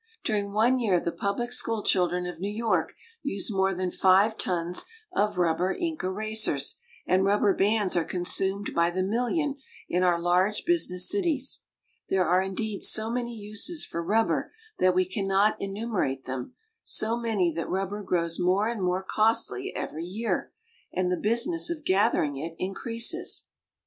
During one year the public school children of New York used more than five tons of rubber ink erasers, and rubber bands are consumed by the million in our large business cities. There are indeed so many uses for rubber that we cannot enu merate them ; so many that rubber grows more and more costly every year, and the business of gathering it in creases.